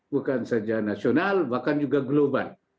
bukan saja nasional bahkan juga global